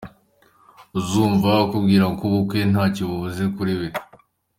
Uzumva akubwira ko ubukwe ntacyo buvuze kuri we.